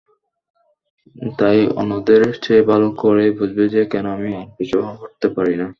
তাই অন্যদের চেয়ে ভালো করেই বুঝবে যে কেন আমি আর পিছু হটতে পারি না।